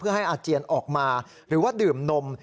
ให้อาเจียนออกมาหรือว่าดื่มนม